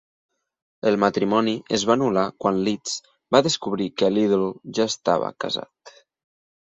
El matrimoni es va anul·lar quan Leeds va descobrir que Little ja estava casat.